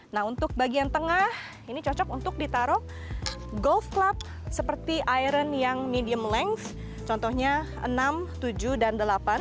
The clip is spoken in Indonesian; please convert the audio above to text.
nah untuk bagian tengah ini cocok untuk ditaruh golf club seperti iron yang medium lens contohnya enam tujuh dan delapan